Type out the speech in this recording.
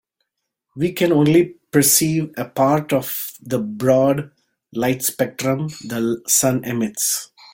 We can only perceive a part of the broad light spectrum the sun emits.